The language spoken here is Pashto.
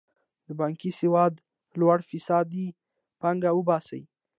د بانکي سود لوړه فیصدي پانګه وباسي.